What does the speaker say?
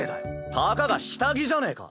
たかが下着じゃねぇか。